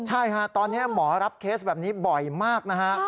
ใช่ฮะตอนนี้หมอรับเคสแบบนี้บ่อยมากนะฮะ